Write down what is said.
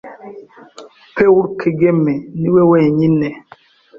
Peul Kegeme ni we wenyine